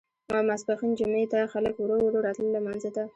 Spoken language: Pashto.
ماسپښین جمعې ته خلک ورو ورو راتلل لمانځه ته.